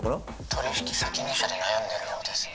取引先２社で悩んでるようですね。